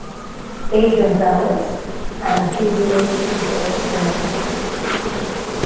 A. Gonzalez, and Julio Cesar Fernandez.